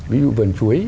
ví dụ vườn chuối